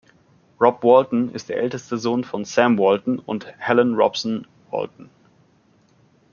Rob Walton ist der älteste Sohn von Sam Walton und Helen Robson Walton.